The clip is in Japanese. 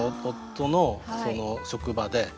夫の職場で。